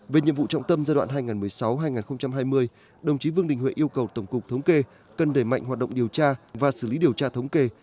về nhiệm vụ trọng tâm giai đoạn hai nghìn một mươi sáu hai nghìn hai mươi đồng chí vương đình huệ yêu cầu tổng cục thống kê cần đẩy mạnh hoạt động điều tra và xử lý điều tra thống kê